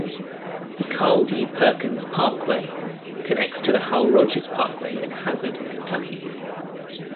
The Carl D. Perkins Parkway connects to the Hal Rogers Parkway in Hazard, Kentucky.